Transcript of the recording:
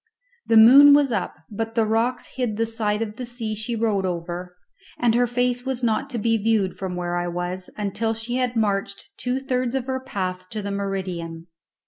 The moon was up, but the rocks hid the side of the sea she rode over, and her face was not to be viewed from where I was until she had marched two thirds of her path to the meridian.